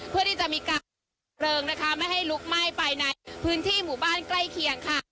เพื่อที่จะมีการเพลิงนะคะไม่ให้ลุกไหม้ไปในพื้นที่หมู่บ้านใกล้เคียงค่ะ